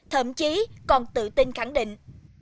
thậm chí còn tự tin khẳng định